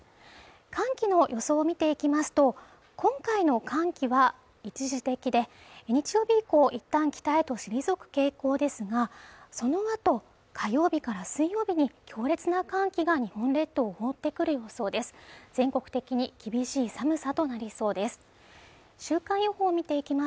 寒気の予想見ていきますと今回の寒気は一時的で日曜日以降いったん北へと退く傾向ですがそのあと火曜日から水曜日に強烈な寒気が日本列島を覆ってくる予想です